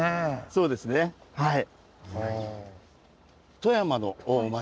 そうですねはい。